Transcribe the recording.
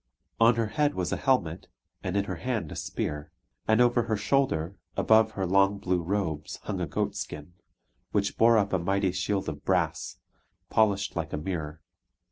On her head was a helmet, and in her hand a spear. And over her shoulder, above her long blue robes, hung a goat skin, which bore up a mighty shield of brass, polished like a mirror.